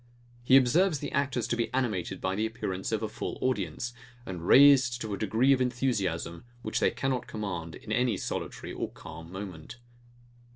He observes the actors to be animated by the appearance of a full audience, and raised to a degree of enthusiasm, which they cannot command in any solitary or calm moment.